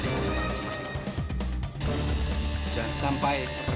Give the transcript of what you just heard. tidak ada apa apa